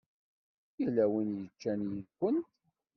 Yella win yeččan yid-went?